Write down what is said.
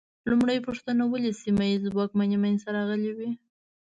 لومړۍ پوښتنه: ولې سیمه ییزې واکمنۍ منځ ته راغلې وې؟